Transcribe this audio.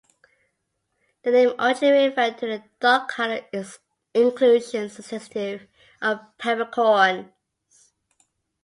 The name originally referred to the dark-colored inclusions, suggestive of pepper-corns.